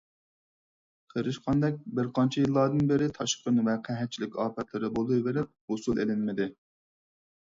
قېرىشقاندەك بىر قانچە يىللاردىن بېرى تاشقىن ۋە قەھەتچىلىك ئاپەتلىرى بولىۋېرىپ، ھوسۇل ئېلىنمىدى.